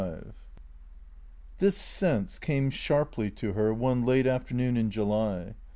XXXV THIS sense came sharply to her one late afternoon in July.